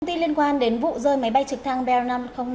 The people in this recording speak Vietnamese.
công ty liên quan đến vụ rơi máy bay trực thăng bell năm trăm linh năm